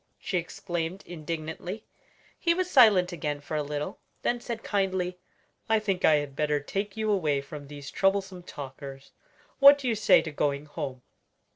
she exclaimed indignantly. He was silent again for a little; then said kindly, "I think I had better take you away from these troublesome talkers. What do you say to going home?"